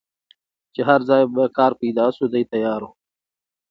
چي هر ځای به کار پیدا سو دی تیار وو